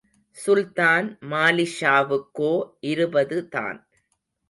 சுல்தான் மாலிக்ஷாவுக்கோ இருபதுதான்.